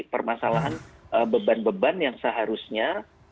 permasalahan beban beban yang seharusnya